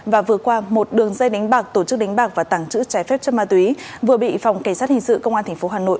và vừa qua một đường dây đánh bạc tổ chức đánh bạc và tàng trữ trái phép cho ma túy vừa bị phòng cảnh sát hình sự công an tp hà nội